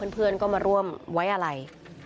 เพื่อนก็มาร่วมไว้อะไร